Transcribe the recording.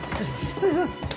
失礼します。